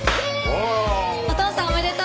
お父さんおめでとう！